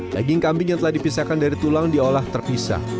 daging kambing yang telah dipisahkan dari tulang diolah terpisah